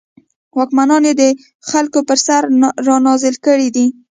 واکمنان یې د خلکو پر سر رانازل کړي دي.